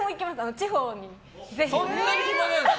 地方にぜひ。